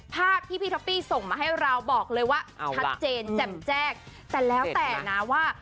ภาพที่พี่ท็อปปี้ส่งมาให้เราบอกเลยว่าชัดเจนแจ่มแจ้งแต่แล้วแต่นะว่า